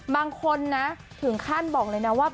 บางคนนะถึงขั้นบอกเลยนะว่า